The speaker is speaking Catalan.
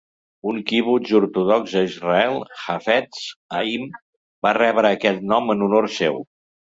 Un kibbutz ortodox a Israel, Hafetz Haim, va rebre aquest nom en honor seu.